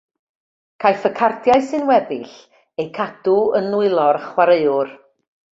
Caiff y cardiau sy'n weddill eu cadw yn nwylo'r chwaraewr.